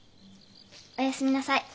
おやすみなさい。